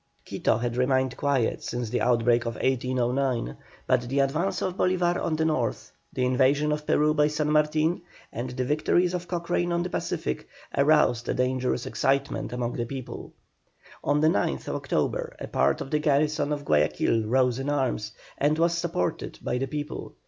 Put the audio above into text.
Quito had remained quiet since the outbreak of 1809, but the advance of Bolívar on the north, the invasion of Peru by San Martin, and the victories of Cochrane on the Pacific, aroused a dangerous excitement among the people. On the 9th October a part of the garrison of Guayaquil rose in arms, and was supported by the people.